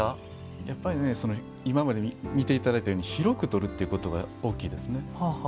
やっぱり、今まで見ていただいたように広く見て撮るということが大きいですね。